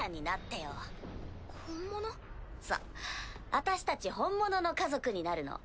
私たち本物の家族になるの。